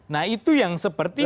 nah itu yang sepertinya